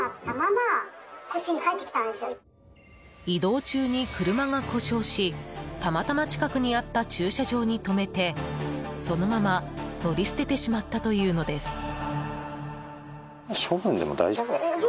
移動中に車が故障したまたま近くにあった駐車場に止めてそのまま乗り捨ててしまったというのです。